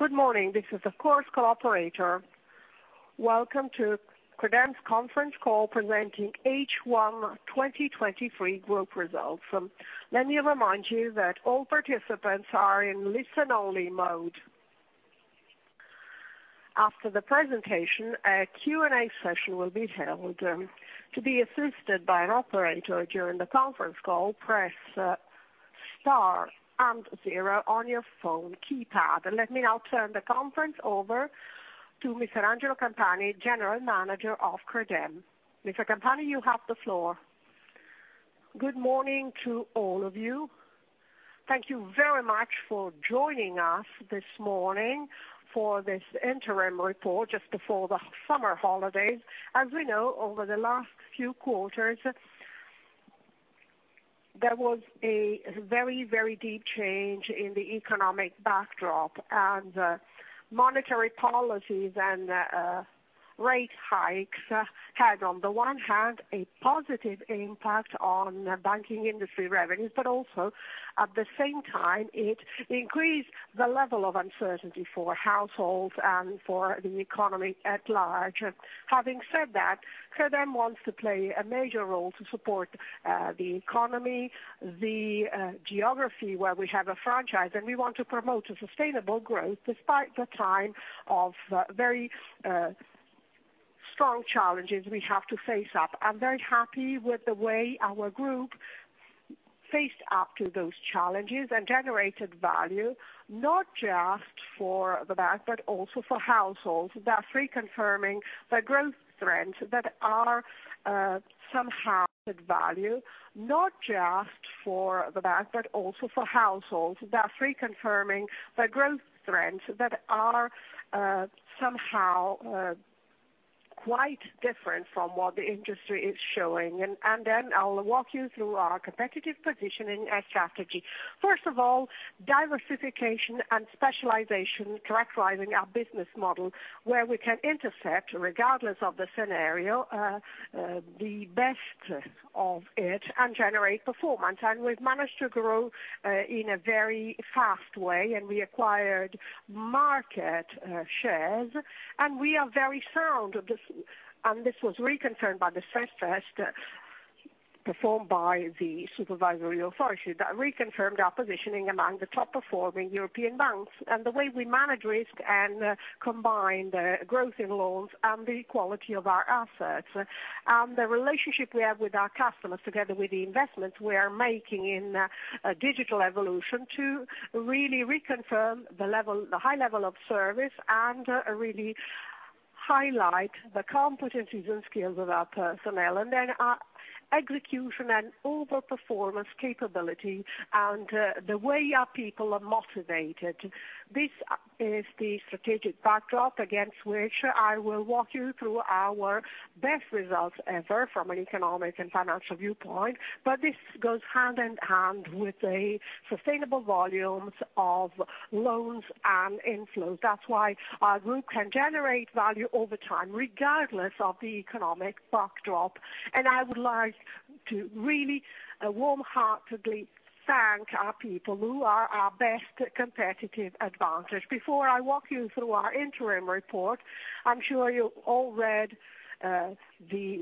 Good morning. This is the conference operator. Welcome to Credem's conference call presenting H1 2023 group results. Let me remind you that all participants are in listen only mode. After the presentation, a Q&A session will be held. To be assisted by an operator during the conference call, press star and zero on your phone keypad. Let me now turn the conference over to Mr. Angelo Campani, General Manager of Credem. Mr. Campani, you have the floor. Good morning to all of you. Thank you very much for joining us this morning for this interim report just before the summer holidays. As we know, over the last few quarters, there was a very, very deep change in the economic backdrop, and monetary policies and rate hikes had, on the one hand, a positive impact on banking industry revenues, but also at the same time, it increased the level of uncertainty for households and for the economy at large. Having said that, Credem wants to play a major role to support the economy, the geography, where we have a franchise, and we want to promote a sustainable growth despite the time of very strong challenges we have to face up. I'm very happy with the way our group faced up to those challenges and generated value, not just for the bank, but also for households. That reconfirming the growth trends that are somehow add value, not just for the bank, but also for households. That reconfirming the growth trends that are somehow quite different from what the industry is showing. Then I'll walk you through our competitive positioning and strategy. First of all, diversification and specialization characterizing our business model, where we can intercept, regardless of the scenario, the best of it and generate performance. We've managed to grow in a very fast way, and we acquired market shares, and we are very sound of this. This was reconfirmed by the stress test performed by the supervisory authorities, that reconfirmed our positioning among the top performing European banks, and the way we manage risk and combine the growth in loans and the quality of our assets. The relationship we have with our customers, together with the investments we are making in a digital evolution to really reconfirm the level, the high level of service and really highlight the competencies and skills of our personnel, then our execution and over performance capability, the way our people are motivated. This is the strategic backdrop against which I will walk you through our best results ever from an economic and financial viewpoint, but this goes hand in hand with the sustainable volumes of loans and inflows. That's why our group can generate value over time, regardless of the economic backdrop. I would like to really warmheartedly thank our people, who are our best competitive advantage. Before I walk you through our interim report, I'm sure you all read the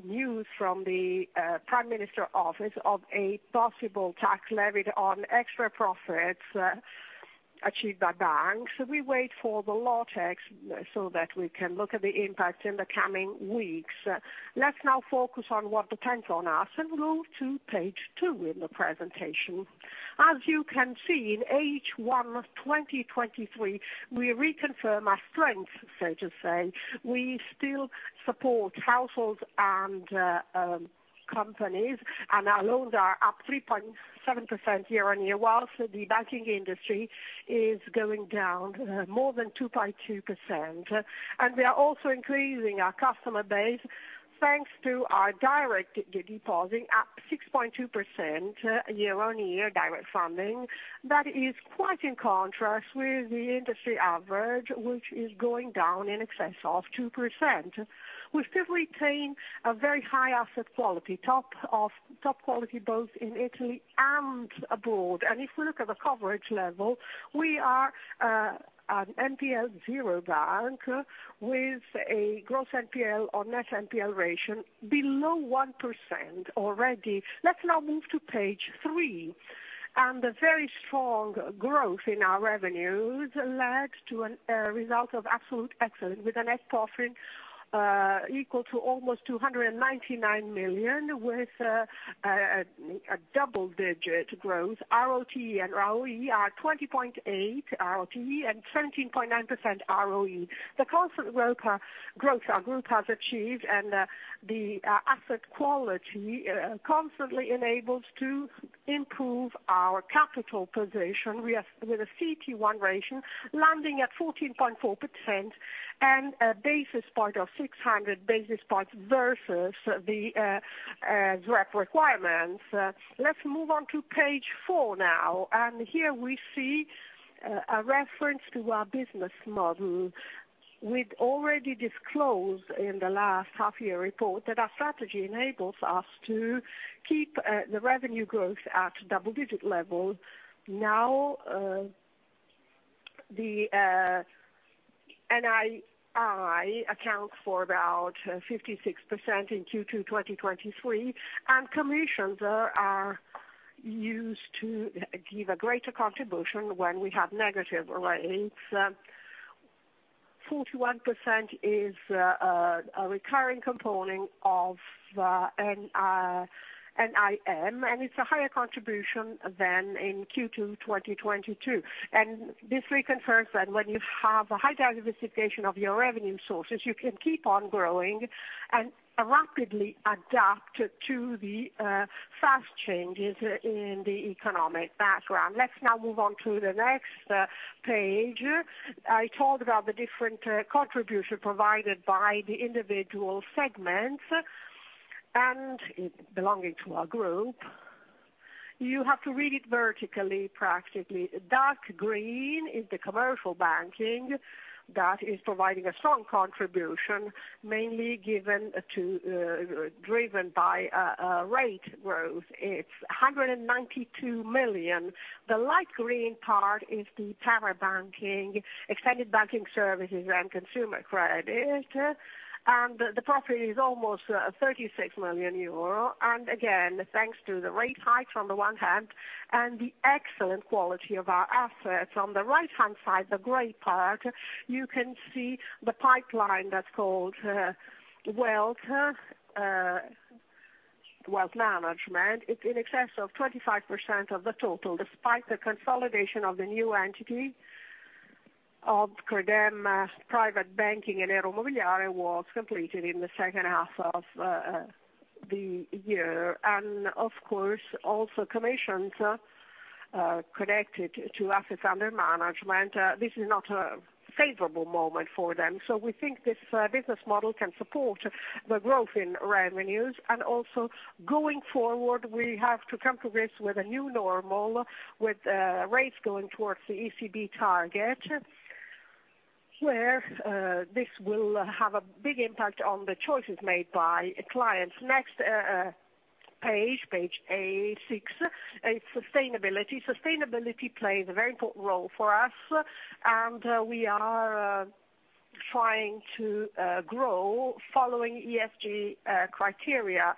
news from the Prime Minister's Office of a possible tax levied on extra profits achieved by banks. We wait for the law text so that we can look at the impact in the coming weeks. Let's now focus on what depends on us and move to page two in the presentation. As you can see, in H1 2023, we reconfirm our strength, so to say. We still support households and companies, and our loans are up 3.7% year-on-year, whilst the banking industry is going down more than 2.2%. We are also increasing our customer base, thanks to our direct depositing, up 6.2% year-on-year direct funding. That is quite in contrast with the industry average, which is going down in excess of 2%. We still retain a very high asset quality, top of, top quality, both in Italy and abroad. If we look at the coverage level, we are an NPL zero bank with a gross NPL or net NPL ratio below 1% already. Let's now move to page 3. The very strong growth in our revenues led to a result of absolute excellence, with a net offering equal to almost 299 million, with a double digit growth. ROTE and ROE are 20.8 ROTE and 17.9% ROE. The constant growth growth our group has achieved and the asset quality constantly enables to improve our capital position. We are with a CET1 ratio landing at 14.4% and a basis point of 600 basis points versus the direct requirements. Let's move on to page four now, and here we see a reference to our business model. We've already disclosed in the last half year report that our strategy enables us to keep the revenue growth at double-digit level. Now, the NII accounts for about 56% in Q2 2023, and commissions are used to give a greater contribution when we have negative rates. 41% is a recurring component of NIM, and it's a higher contribution than in Q2 2022. This reconfirms that when you have a high diversification of your revenue sources, you can keep on growing and rapidly adapt to the fast changes in the economic background. Let's now move on to the next page. I talked about the different contribution provided by the individual segments, and it belonging to our group. You have to read it vertically, practically. Dark green is the commercial banking that is providing a strong contribution, mainly given to, driven by a rate growth. It's 192 million. The light green part is the private banking, extended banking services and consumer credit, and the property is almost 36 million euro. Again, thanks to the rate hikes on the one hand, and the excellent quality of our assets. On the right-hand side, the gray part, you can see the pipeline that's called wealth management. It's in excess of 25% of the total, despite the consolidation of the new entity of Credem Private Banking and Euromobiliare was completed in the second half of the year. Of course, also commissions connected to assets under management. This is not a favorable moment for them. We think this business model can support the growth in revenues. Also going forward, we have to come to grips with a new normal, with rates going towards the ECB target, where this will have a big impact on the choices made by clients. Next, page 8, 6, is sustainability. Sustainability plays a very important role for us. We are trying to grow following ESG criteria,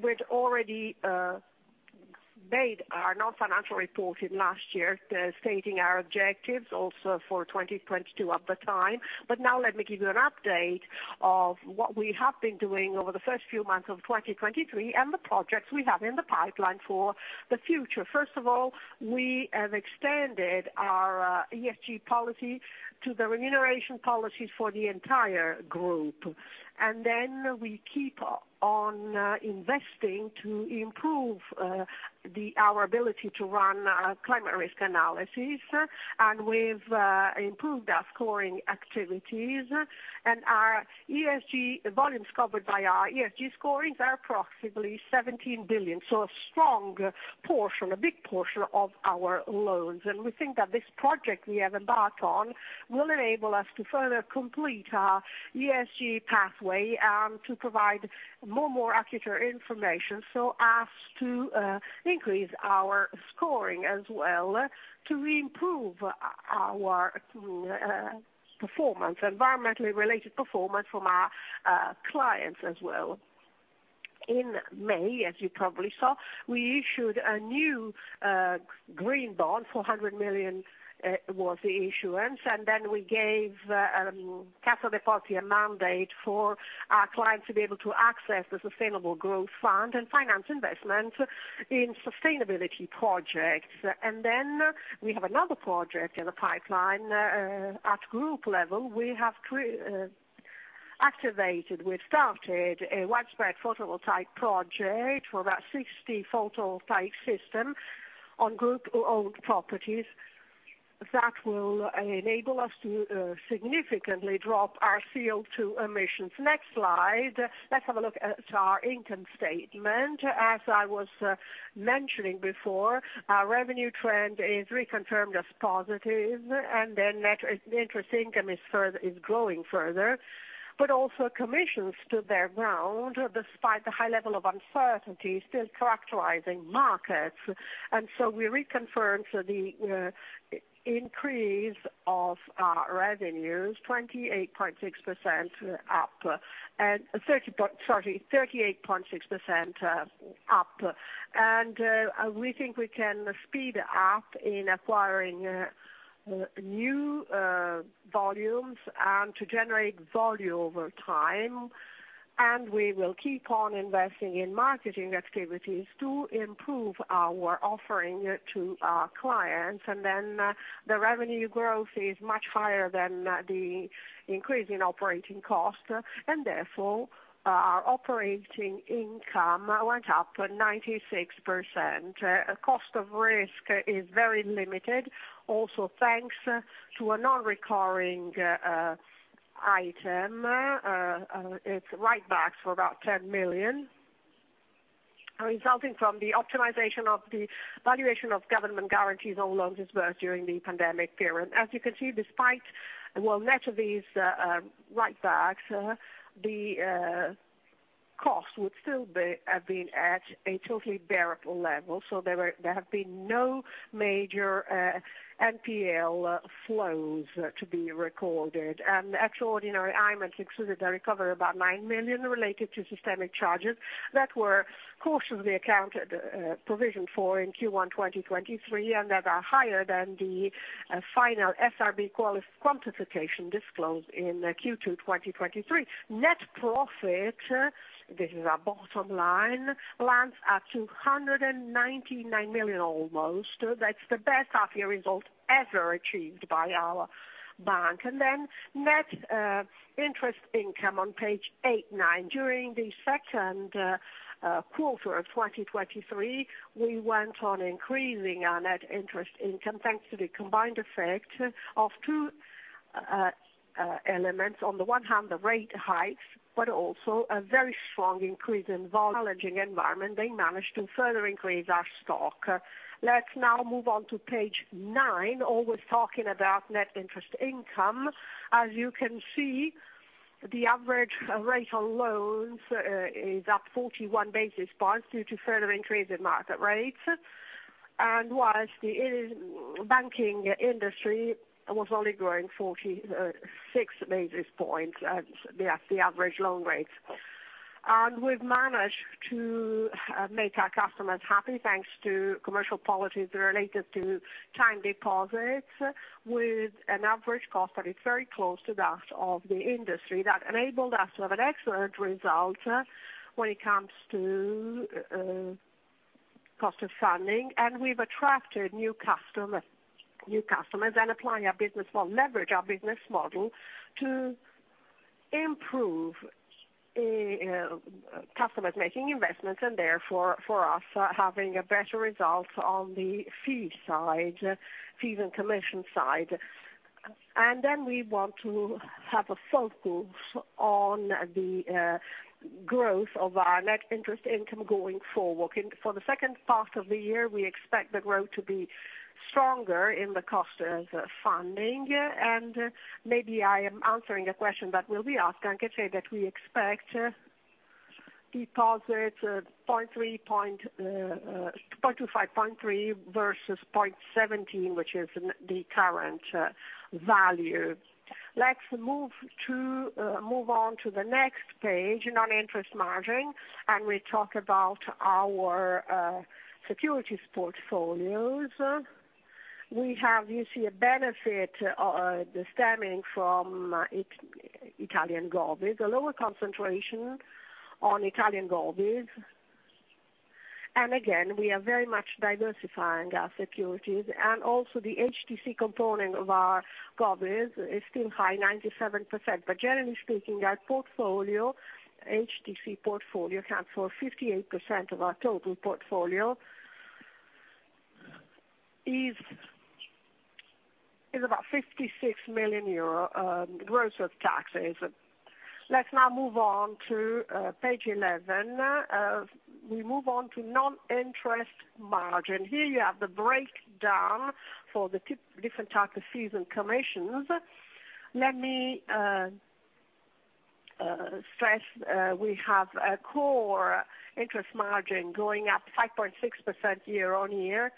which already made our non-financial report in last year, stating our objectives also for 2022 at the time. Now let me give you an update of what we have been doing over the first few months of 2023, and the projects we have in the pipeline for the future. First of all, we have extended our ESG policy to the remuneration policies for the entire group. We keep on investing to improve our ability to run climate risk analysis, and we've improved our scoring activities. Our ESG volumes covered by our ESG scorings are approximately 17 billion. A strong portion, a big portion of our loans. We think that this project we have embarked on will enable us to further complete our ESG pathway, and to provide more, more accurate information so as to increase our scoring as well, to improve our performance, environmentally related performance from our clients as well. In May, as you probably saw, we issued a new green bond, 400 million was the issuance, and then we gave Cassa Depositi e Prestiti a mandate for our clients to be able to access the Sustainable Growth Fund and finance investment in sustainability projects. We have another project in the pipeline. At group level, we have activated, we've started a widespread photovoltaic project for about 60 photovoltaic system on group-owned properties that will enable us to significantly drop our CO2 emissions. Next slide. Let's have a look at our income statement. As I was mentioning before, our revenue trend is reconfirmed as positive. Then net interest income is growing further, but also commissions stood their ground despite the high level of uncertainty still characterizing markets. So we reconfirm the increase of our revenues, 28.6% up and 38.6% up. We think we can speed up in acquiring new volumes and to generate volume over time. We will keep on investing in marketing activities to improve our offering to our clients. Then the revenue growth is much higher than the increase in operating costs, and therefore, our operating income went up 96%. Cost of risk is very limited. Also, thanks to a non-recurring item, it's right back for about 10 million.... resulting from the optimization of the valuation of government guarantees on loans dispersed during the pandemic period. As you can see, despite, well, net of these write backs, the cost would still be, have been at a totally bearable level. There have been no major NPL flows to be recorded. Extraordinary items excluded a recovery of about 9 million related to systemic charges that were cautiously accounted, provisioned for in Q1 2023, and that are higher than the final SRB quantification disclosed in Q2 2023. Net profit, this is our bottom line, lands at 299 million almost. That's the best half year result ever achieved by our bank. Then net interest income on page 8, 9. During the second quarter of 2023, we went on increasing our net interest income, thanks to the combined effect of two elements. On the one hand, the rate hikes, but also a very strong increase in volume, challenging environment, they managed to further increase our stock. Let's now move on to page 9. Always talking about net interest income. As you can see, the average rate on loans is up 41 basis points due to further increase in market rates. Whilst the banking industry was only growing 46 basis points at the average loan rates. We've managed to make our customers happy, thanks to commercial policies related to time deposits, with an average cost that is very close to that of the industry. That enabled us to have an excellent result, when it comes to cost of funding, and we've attracted new customer, new customers and applying our business model-- leverage our business model to improve customers making investments and therefore, for us, having a better result on the fee side, fees and commission side. Then we want to have a focus on the growth of our net interest income going forward. For the second part of the year, we expect the growth to be stronger in the cost of funding. Maybe I am answering a question that will be asked, and can say that we expect deposits of 0.25-0.3 versus 0.17, which is the current value. Let's move on to the next page, non-interest margin. We talk about our securities portfolios. We have, you see, a benefit stemming from Italian govies, a lower concentration on Italian govies. Again, we are very much diversifying our securities and also the HTC component of our govies is still high, 97%. Generally speaking, our portfolio, HTC portfolio, accounts for 58% of our total portfolio, is about 56 million euro gross of taxes. Let's now move on to page 11. We move on to non-interest margin. Here you have the breakdown for the different types of fees and commissions. Let me stress, we have a core interest margin going up 5.6% year-over-year,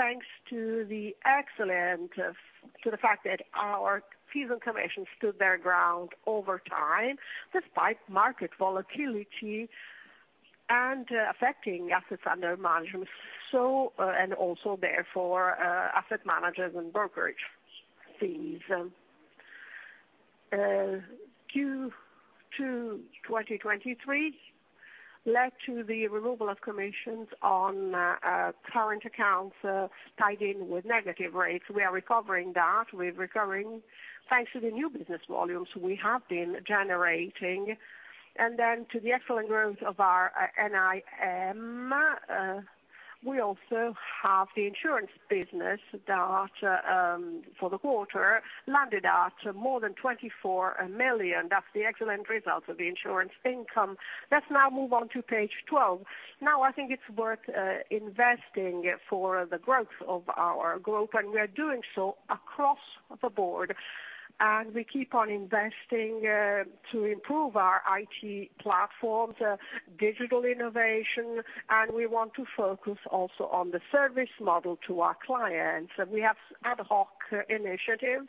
thanks to the excellent to the fact that our fees and commission stood their ground over time, despite market volatility and affecting assets under management. Also therefore, asset managers and brokerage fees. Q2 2023 led to the removal of commissions on current accounts, tied in with negative rates. We are recovering that with recurring, thanks to the new business volumes we have been generating, and then to the excellent growth of our NIM, we also have the insurance business that, for the quarter, landed at more than 24 million. That's the excellent result of the insurance income. Let's now move on to page 12. I think it's worth investing for the growth of our group, we are doing so across the board, we keep on investing to improve our IT platforms, digital innovation, we want to focus also on the service model to our clients. We have ad hoc initiatives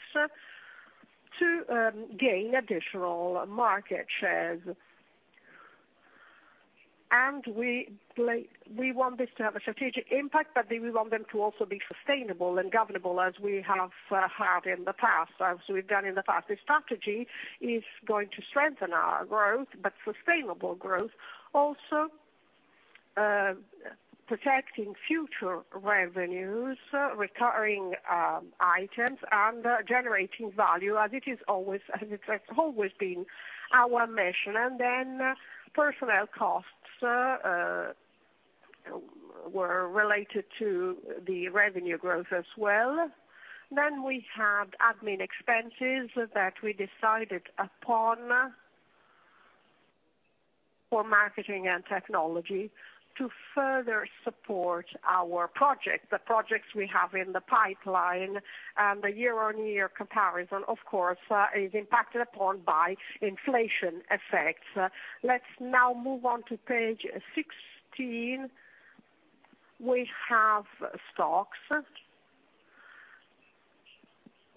to gain additional market shares. We want this to have a strategic impact, we want them to also be sustainable and governable, as we have had in the past, as we've done in the past. This strategy is going to strengthen our growth, sustainable growth, also protecting future revenues, recovering items, generating value, as it is always, as it has always been our mission. Personnel costs were related to the revenue growth as well. We had admin expenses that we decided upon for marketing and technology to further support our project, the projects we have in the pipeline, and the year-on-year comparison, of course, is impacted upon by inflation effects. Let's now move on to page 16. We have stocks.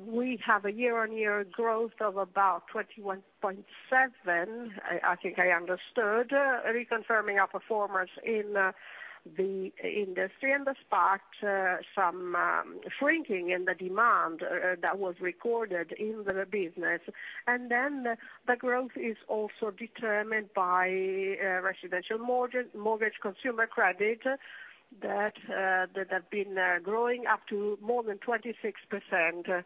We have a year-on-year growth of about 21.7. I, I think I understood, reconfirming our performance in the industry and the spark, some shrinking in the demand that was recorded in the business. The growth is also determined by residential mortgage, mortgage consumer credit that have been growing up to more than 26%.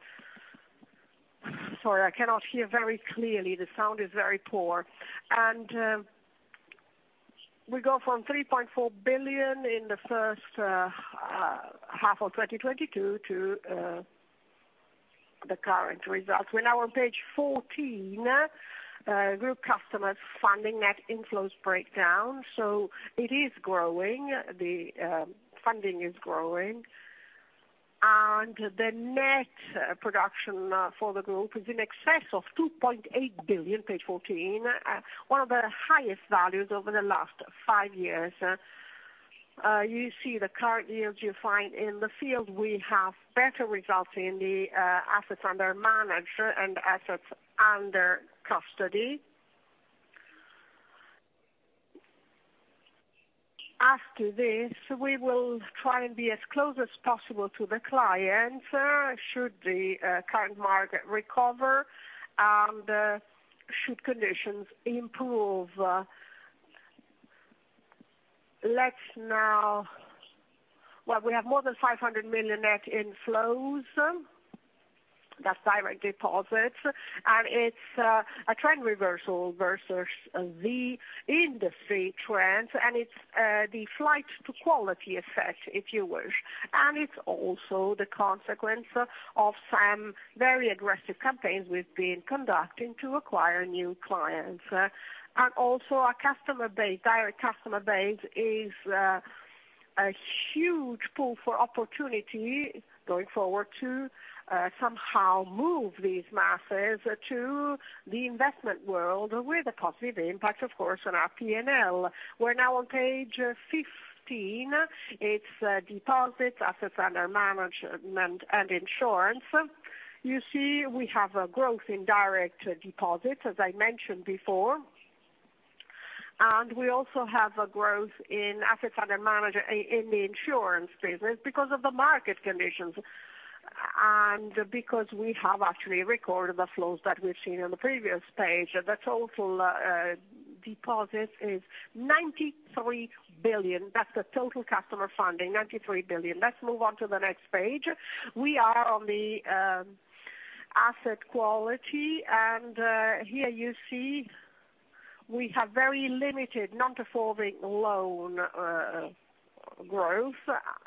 Sorry, I cannot hear very clearly. The sound is very poor. We go from 3.4 billion in the first half of 2022 to the current result. We're now on page 14, group customers funding net inflows breakdown, so it is growing, the funding is growing, and the net production for the group is in excess of 2.8 billion, page 14, one of the highest values over the last 5 years. You see the current yields you find in the field. We have better results in the assets under management and assets under custody. After this, we will try and be as close as possible to the client, should the current market recover and should conditions improve. Well, we have more than 500 million net inflows. That's direct deposits, and it's a trend reversal versus the industry trend, and it's the flight to quality effect, if you wish. It's also the consequence of some very aggressive campaigns we've been conducting to acquire new clients. Also our customer base, direct customer base, is a huge pool for opportunity going forward to somehow move these masses to the investment world with a positive impact, of course, on our PNL. We're now on page 15. It's deposits, assets under management, and insurance. You see, we have a growth in direct deposits, as I mentioned before, and we also have a growth in assets under management in, in the insurance business because of the market conditions, and because we have actually recorded the flows that we've seen on the previous page. The total deposit is 93 billion. That's the total customer funding, 93 billion. Let's move on to the next page. We are on the asset quality, and here you see we have very limited non-performing loan growth,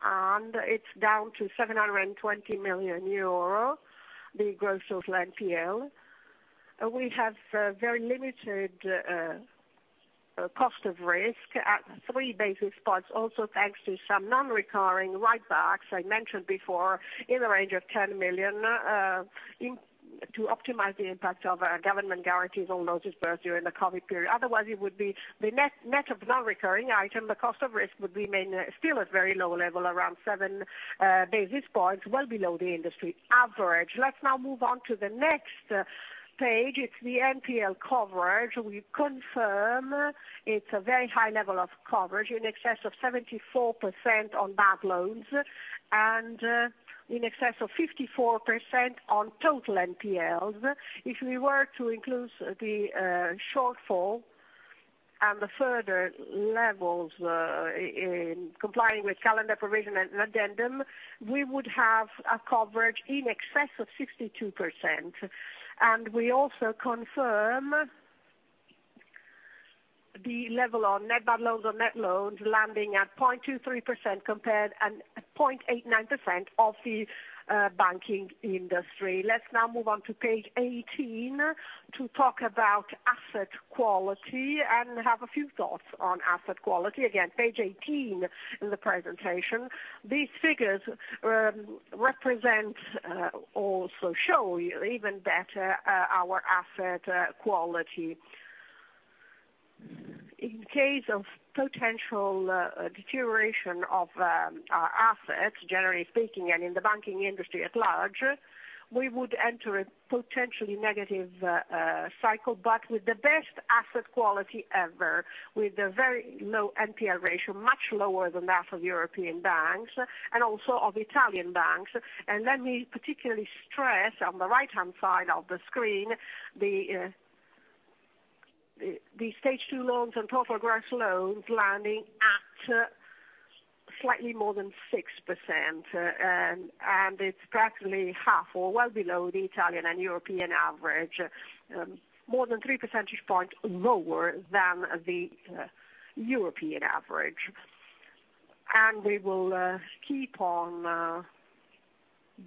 and it's down to 720 million euro, the growth of NPL. We have very limited cost of risk at 3 basis points, also thanks to some non-recurring writebacks I mentioned before in the range of 10 million, in, to optimize the impact of our government guarantees on loans dispersed during the COVID period. Otherwise, it would be the net, net of non-recurring items, the cost of risk would remain still at very low level, around 7 basis points, well below the industry average. Let's now move on to the next page. It's the NPL coverage. We confirm it's a very high level of coverage, in excess of 74% on bad loans and in excess of 54% on total NPLs. If we were to include the shortfall and the further levels in complying with calendar provisioning and addendum, we would have a coverage in excess of 62%. We also confirm the level on net bad loans on net loans landing at 0.23% compared and at 0.89% of the banking industry. Let's now move on to page 18 to talk about asset quality and have a few thoughts on asset quality. Again, page 18 in the presentation. These figures represent also show you even better our asset quality. In case of potential deterioration of our assets, generally speaking, and in the banking industry at large, we would enter a potentially negative cycle, but with the best asset quality ever, with a very low NPL ratio, much lower than that of European banks and also of Italian banks. Let me particularly stress, on the right-hand side of the screen, the Stage 2 loans and total gross loans landing at slightly more than 6%, and it's practically half or well below the Italian and European average, more than 3 percentage points lower than the European average. We will keep on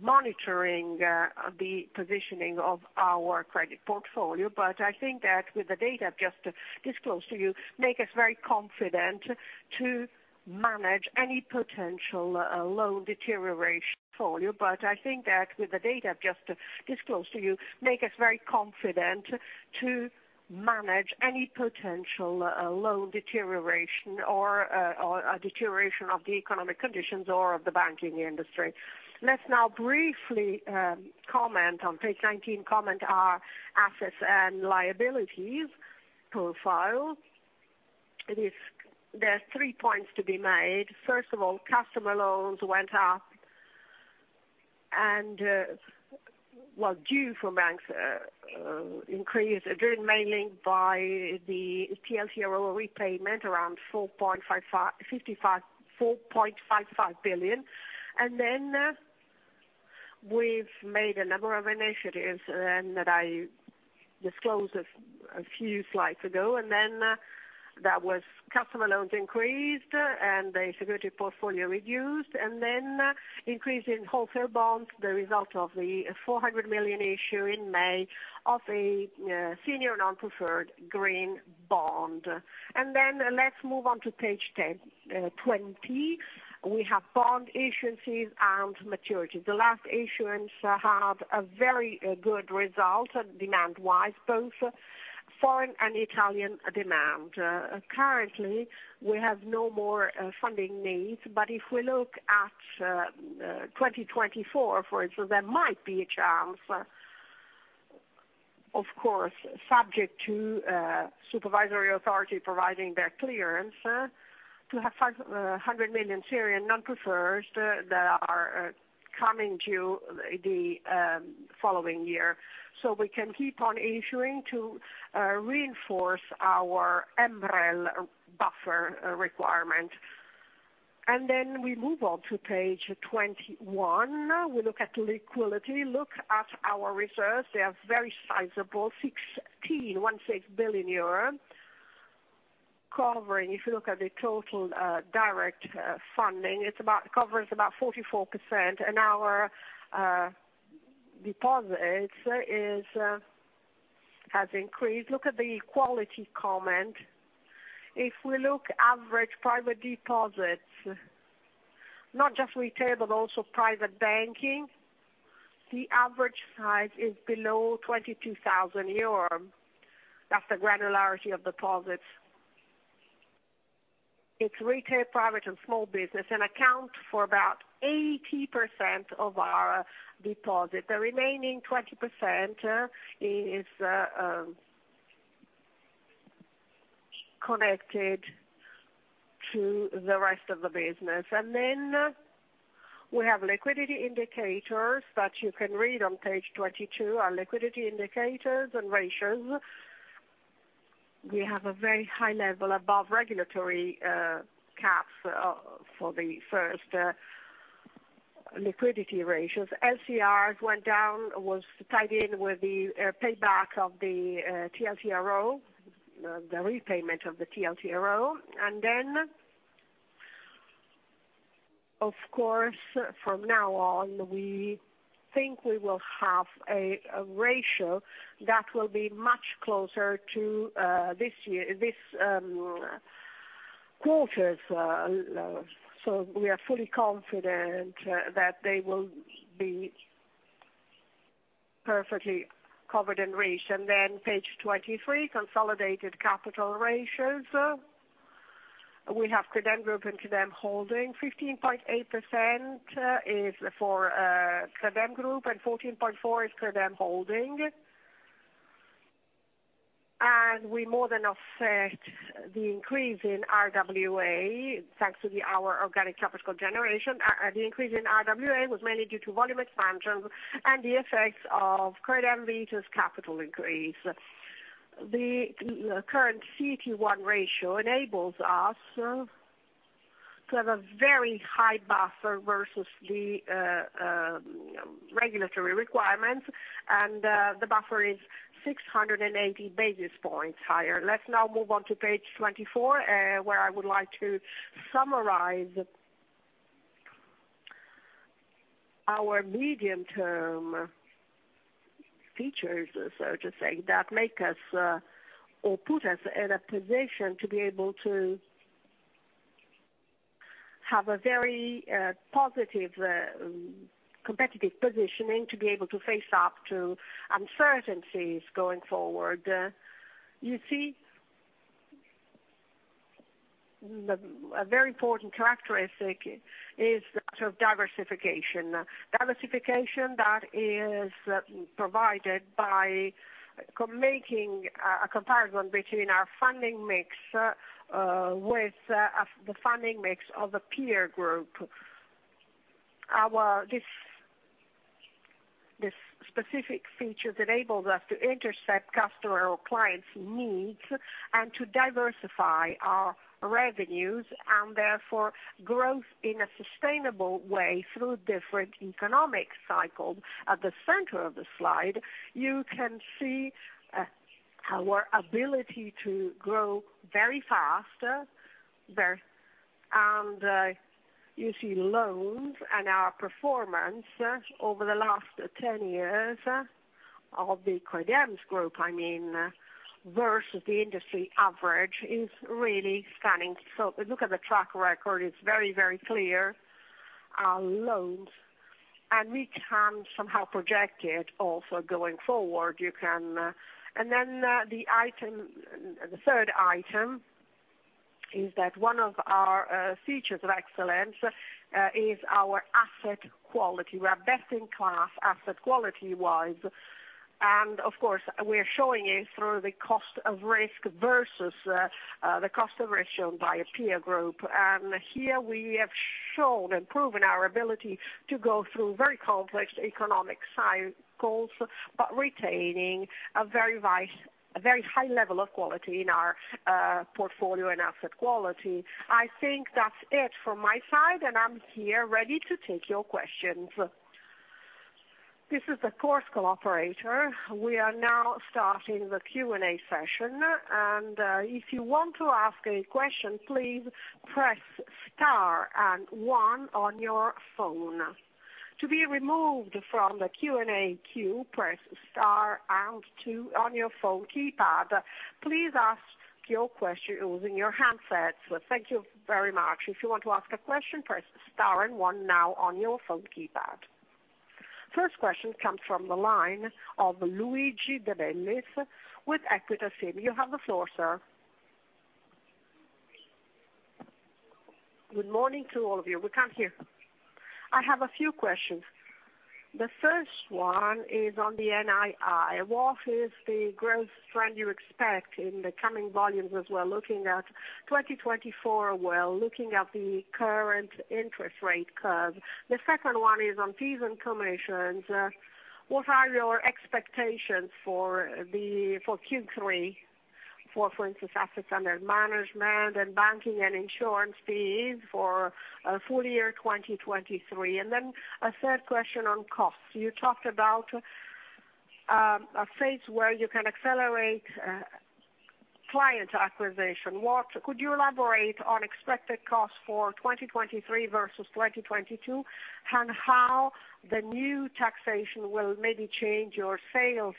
monitoring the positioning of our credit portfolio. I think that with the data just disclosed to you, make us very confident to manage any potential loan deterioration for you. I think that with the data just disclosed to you, make us very confident to manage any potential loan deterioration or or a deterioration of the economic conditions or of the banking industry. Let's now briefly comment on page 19, comment our assets and liabilities profile. It is, there are three points to be made. First of all, customer loans went up and, well, due for banks, increased driven mainly by the TLTRO repayment, around 4.55, 55, 4.55 billion. We've made a number of initiatives then that I disclosed a few slides ago, and then, that was customer loans increased and the security portfolio reduced, and then increase in wholesale bonds, the result of the 400 million issue in May of a senior non-preferred green bond. Let's move on to page 10, 20. We have bond issuances and maturities. The last issuance had a very good result demand-wise, both foreign and Italian demand. Currently, we have no more funding needs, but if we look at 2024, for instance, there might be a chance, of course, subject to supervisory authority providing their clearance, to have 500 million senior non-preferred that are coming due the following year. We can keep on issuing to reinforce our MREL buffer requirement. We move on to page 21. We look at liquidity, look at our reserves. They are very sizable, 16.16 billion euro. Covering, if you look at the total direct funding, it's about, covers about 44%, and our deposits is has increased. Look at the quality comment. If we look average private deposits, not just retail, but also private banking, the average size is below 22,000 euros. That's the granularity of deposits. It's retail, private, and small business, and account for about 80% of our deposits. The remaining 20% is connected to the rest of the business. We have liquidity indicators that you can read on page 22, our liquidity indicators and ratios. We have a very high level above regulatory caps for the first liquidity ratios. LCRs went down, was tied in with the payback of the TLTRO, the repayment of the TLTRO. Then, of course, from now on, we think we will have a, a ratio that will be much closer to this year, this quarter's, we are fully confident that they will be perfectly covered and reached. Then page 23, consolidated capital ratios. We have Credem Group and Credem Holding. 15.8% is for Credem Group, and 14.4 is Credem Holding. We more than offset the increase in RWA, thanks to the, our organic capital generation. The increase in RWA was mainly due to volume expansion and the effects of Credemleasing's capital increase. The, the current CET1 ratio enables us to have a very high buffer versus the regulatory requirements, the buffer is 680 basis points higher. Let's now move on to page 24, where I would like to summarize our medium-term features, so to say, that make us, or put us in a position to be able to have a very positive competitive positioning, to be able to face up to uncertainties going forward. You see, a very important characteristic is sort of diversification. Diversification that is provided by making a, a comparison between our funding mix, with the funding mix of the peer group. This specific feature enables us to intercept customer or clients' needs and to diversify our revenues, and therefore growth in a sustainable way through different economic cycles. At the center of the slide, you can see... our ability to grow very fast, very, and you see loans and our performance over the last 10 years of the Credem Group, I mean, versus the industry average, is really stunning. Look at the track record, it's very, very clear, our loans, and we can somehow project it also going forward, you can. Then, the item, the third item, is that one of our features of excellence is our asset quality. We are best in class, asset quality wise. Of course, we are showing it through the cost of risk versus the cost of risk shown by a peer group. Here we have shown and proven our ability to go through very complex economic cycles, but retaining a very vice, a very high level of quality in our portfolio and asset quality. I think that's it from my side, and I'm here ready to take your questions. This is the conference call operator. We are now starting the Q&A session. If you want to ask a question, please press star one on your phone. To be removed from the Q&A queue, press star two on your phone keypad. Please ask your question using your handsets. Thank you very much. If you want to ask a question, press star one now on your phone keypad. First question comes from the line of Luigi De Bellis with Equita SIM. You have the floor, sir. Good morning to all of you. We can't hear. I have a few questions. The first one is on the NII. What is the growth trend you expect in the coming volumes as we're looking at 2024, well, looking at the current interest rate curve? The second one is on fees and commissions. What are your expectations for the, for Q3, for, for instance, assets under management and banking and insurance fees for full year 2023? Then a third question on costs. You talked about a phase where you can accelerate client acquisition. Could you elaborate on expected costs for 2023 versus 2022, and how the new taxation will maybe change your sales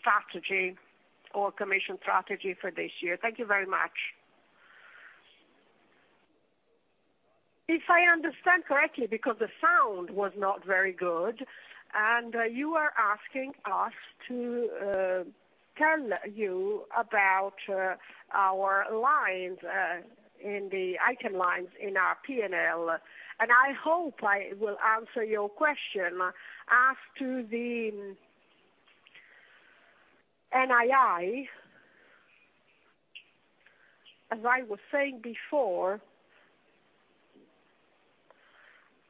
strategy or commission strategy for this year? Thank you very much. If I understand correctly, because the sound was not very good, and you are asking us to tell you about our lines, in the item lines in our P&L, and I hope I will answer your question as to the NII. As I was saying before,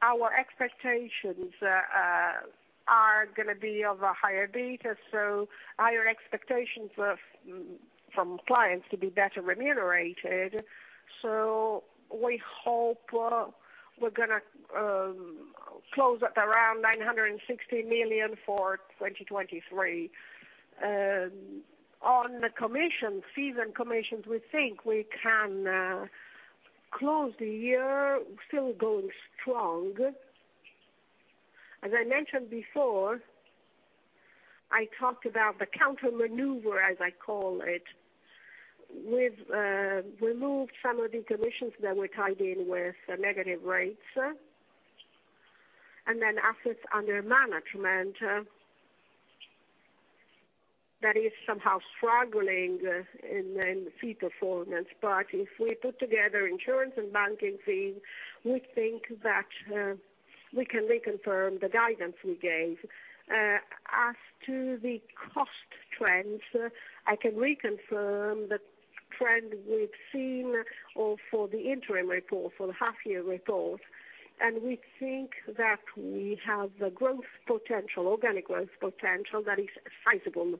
our expectations are gonna be of a higher beta, so higher expectations of, from clients to be better remunerated. We hope, we're gonna close at around 960 million for 2023. On the commission, fees and commissions, we think we can close the year still going strong. As I mentioned before, I talked about the countermaneuver, as I call it. We've removed some of the commissions that were tied in with the negative rates, and then assets under management, that is somehow struggling in, in the fee performance. If we put together insurance and banking fees, we think that we can reconfirm the guidance we gave. As to the cost trends, I can reconfirm the trend we've seen or for the interim report, for the half year report. We think that we have the growth potential, organic growth potential that is sizable.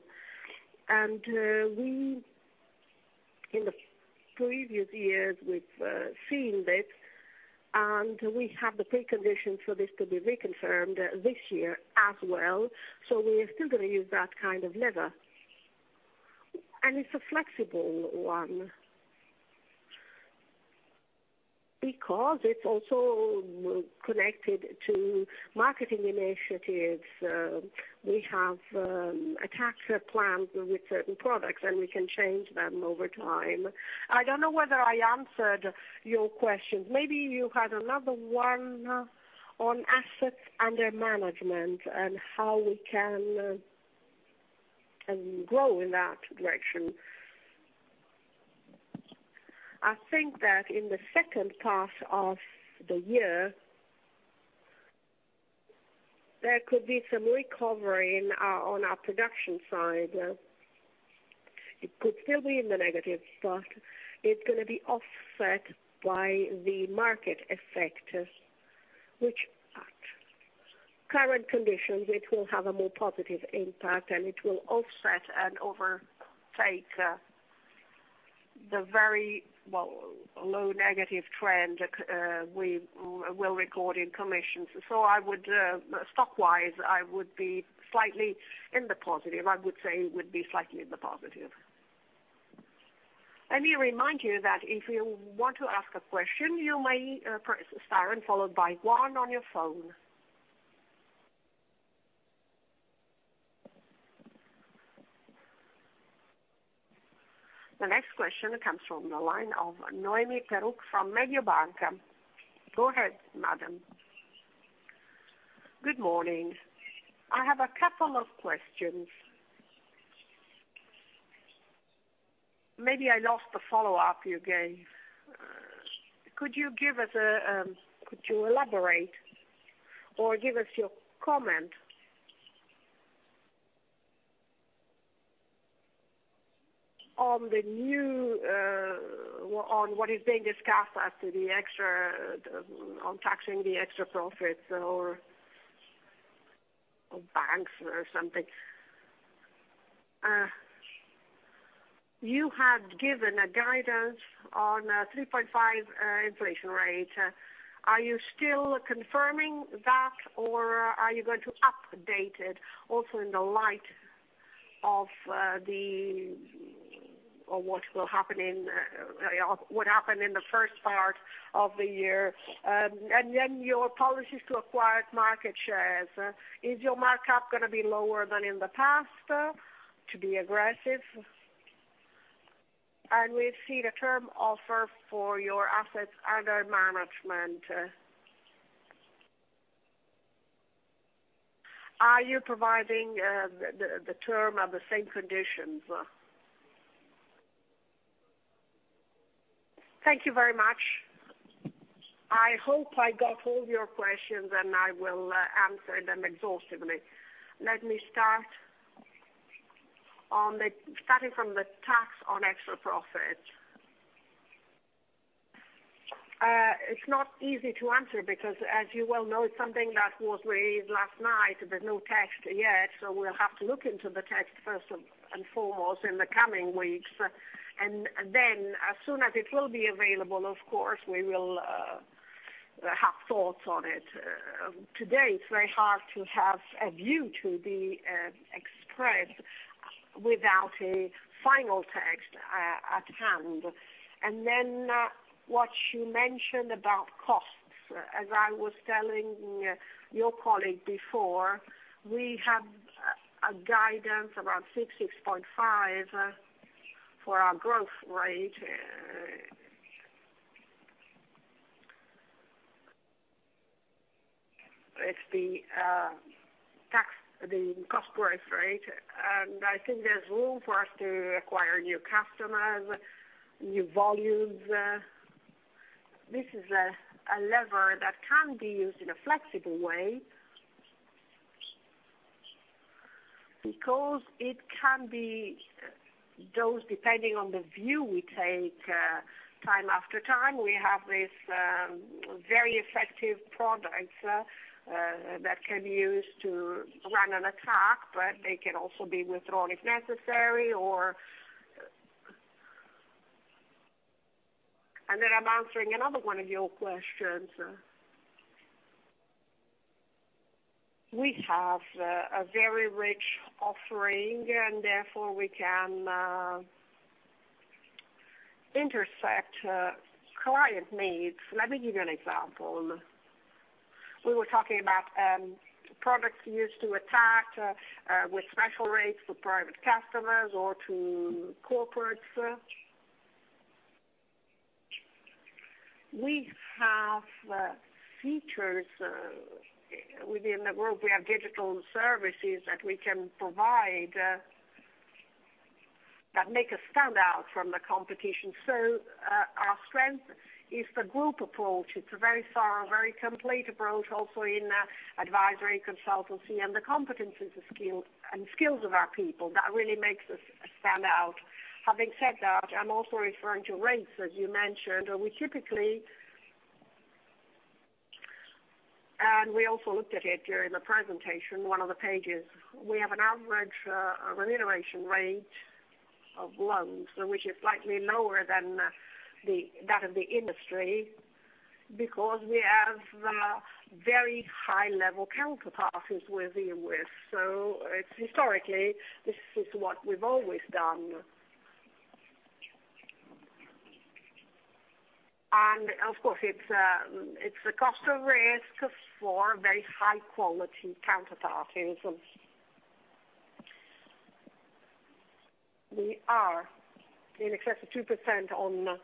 We in the previous years, we've seen this, and we have the precondition for this to be reconfirmed this year as well. We are still going to use that kind of lever. It's a flexible one because it's also connected to marketing initiatives. We have attached a plan with certain products, and we can change them over time. I don't know whether I answered your question. Maybe you had another one on assets under management and how we can grow in that direction. I think that in the second half of the year, there could be some recovery in our, on our production side. It could still be in the negative, but it's gonna be offset by the market effect, which at current conditions, it will have a more positive impact, and it will offset and overtake the very, well, low negative trend we will record in commissions. I would, stock wise, I would be slightly in the positive. I would say would be slightly in the positive. Let me remind you that if you want to ask a question, you may press star and followed by 1 on your phone. The next question comes from the line of Noemi Peruch from Mediobanca. Go ahead, madam. Good morning. I have 2 questions. Maybe I lost the follow-up you gave. Could you give us a, could you elaborate or give us your comment on the new, on what is being discussed as to the extra, on taxing the extra profits or, on banks or something? You had given a guidance on a 3.5 inflation rate. Are you still confirming that, or are you going to update it also in the light of, the, or what will happen in, what happened in the first part of the year? Your policies to acquire market shares. Is your markup going to be lower than in the past, to be aggressive? We see the term offer for your assets under management. Are you providing, the, the term at the same conditions? Thank you very much. I hope I got all your questions, and I will, answer them exhaustively. Let me start starting from the tax on extra profit. It's not easy to answer because as you well know, it's something that was raised last night. There's no text yet, so we'll have to look into the text first and foremost in the coming weeks, then as soon as it will be available, of course, we will have thoughts on it. Today, it's very hard to have a view to be expressed without a final text at hand. What you mentioned about costs. As I was telling your colleague before, we have a guidance around 66.5 for our growth rate. It's the tax, the cost growth rate, and I think there's room for us to acquire new customers, new volumes. This is a lever that can be used in a flexible way. It can be dosed depending on the view we take, time after time. We have this very effective products that can be used to run an attack, but they can also be withdrawn if necessary. Then I'm answering another one of your questions. We have a very rich offering, and therefore, we can intersect client needs. Let me give you an example. We were talking about products used to attack with special rates for private customers or to corporates. We have features within the group. We have digital services that we can provide that make us stand out from the competition. Our strength is the group approach. It's a very far, very complete approach, also in advisory, consultancy, and the competencies and skill, and skills of our people. That really makes us stand out. Having said that, I'm also referring to rates, as you mentioned. We also looked at it during the presentation, one of the pages. We have an average remuneration rate of loans, which is slightly lower than that of the industry, because we have very high-level counterparties we're dealing with, so it's historically, this is what we've always done. Of course, it's a cost of risk for very high-quality counterparties. We are in excess of 2% on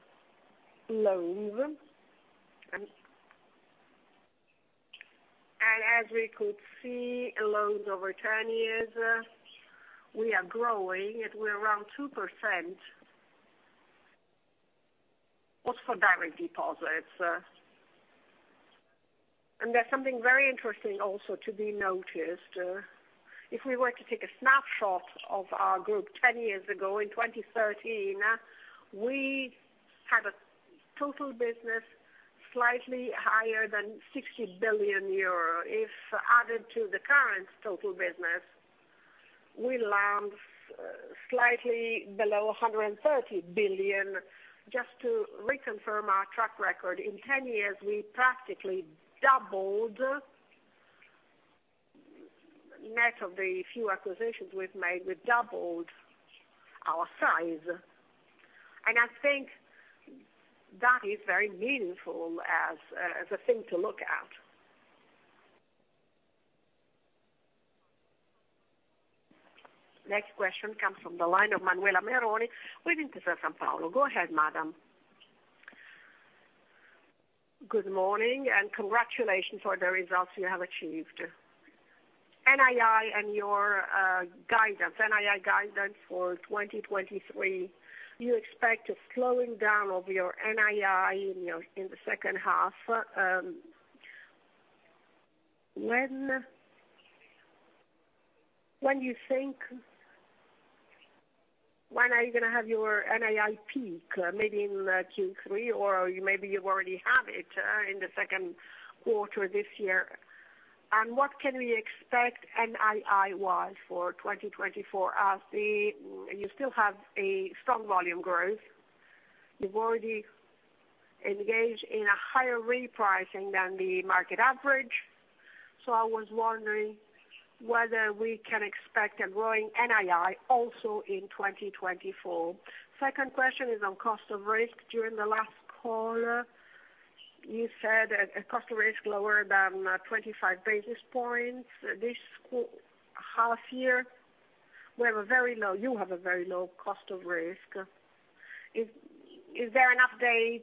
loans. As we could see, loans over 10 years, we are growing, and we're around 2%, also for direct deposits. There's something very interesting also to be noticed. If we were to take a snapshot of our group 10 years ago, in 2013, Total business slightly higher than 60 billion euro, if added to the current total business, we land slightly below 130 billion. Just to reconfirm our track record, in 10 years, we practically doubled, net of the few acquisitions we've made, we doubled our size, and I think that is very meaningful as a thing to look at. Next question comes from the line of Manuela Meroni with Intesa Sanpaolo. Go ahead, madam. Good morning, congratulations for the results you have achieved. NII and your guidance, NII guidance for 2023, you expect a slowing down of your NII in, you know, in the second half. When, when you think, when are you gonna have your NII peak, maybe in Q3 or maybe you already have it in the second quarter this year? What can we expect NII-wise for 2024, as you still have a strong volume growth. You've already engaged in a higher repricing than the market average, so I was wondering whether we can expect a growing NII also in 2024. Second question is on cost of risk. During the last call, you said a cost of risk lower than 25 basis points this half year. You have a very low cost of risk. Is there an update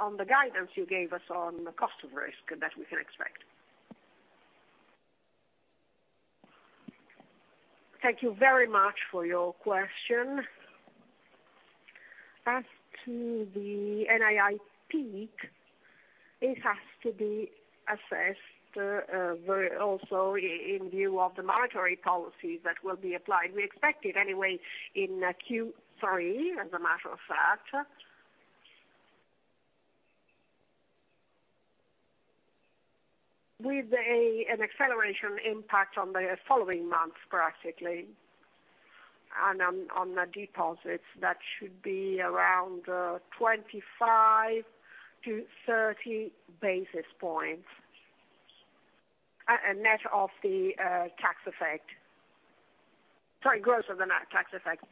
on the guidance you gave us on the cost of risk that we can expect? Thank you very much for your question. As to the NII peak, it has to be assessed, very, also in view of the monetary policies that will be applied. We expect it anyway in Q3, as a matter of fact. With an acceleration impact on the following months, practically, and on the deposits, that should be around 25-30 basis points, and net of the tax effect. Sorry, gross of the net tax effect.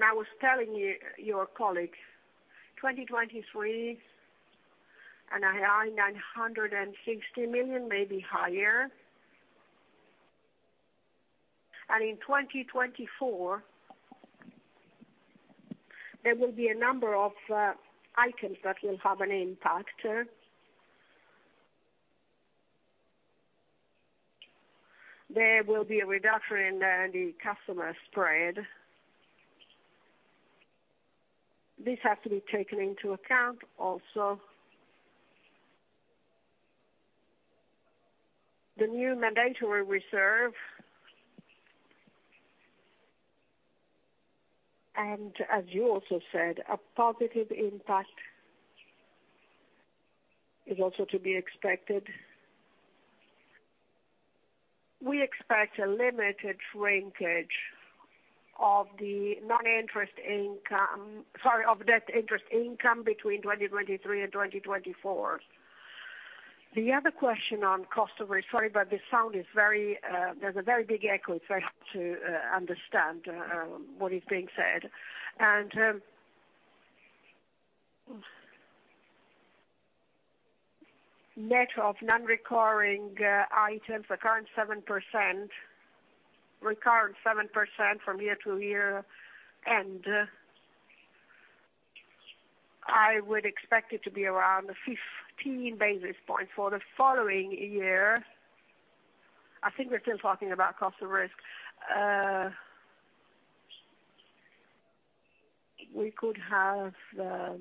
I was telling your colleagues, 2023, NII EUR 960 million, maybe higher. In 2024, there will be a number of items that will have an impact. There will be a reduction in the customer spread. This has to be taken into account, also. The new mandatory reserve, and as you also said, a positive impact is also to be expected. We expect a limited shrinkage of the non-interest income, sorry, of that interest income between 2023 and 2024. The other question on cost of risk, sorry, but the sound is very, there's a very big echo, it's very hard to understand what is being said. Net of non-recurring items, recurrent 7%, recurrent 7% from year to year, and I would expect it to be around 15 basis points for the following year. I think we're still talking about cost of risk. We could have a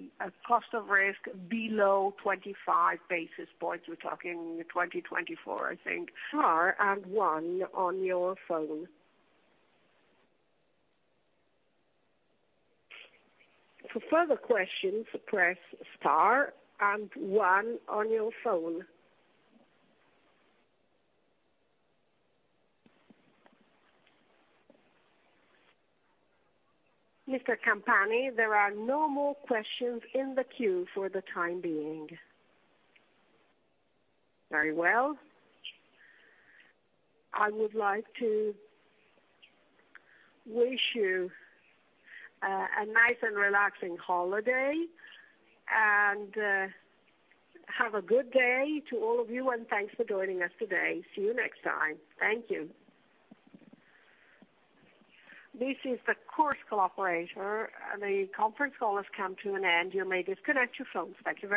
cost of risk below 25 basis points. We're talking 2024, I think. Star and one on your phone. For further questions, press star and one on your phone. Mr. Campani, there are no more questions in the queue for the time being. Very well. I would like to wish you a nice and relaxing holiday. Have a good day to all of you, and thanks for joining us today. See you next time. Thank you. This is the conference call operator. The conference call has come to an end. You may disconnect your phones. Thank you very much.